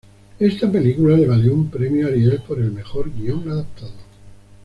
Esta película le valió un premio Ariel por el mejor guion adaptado.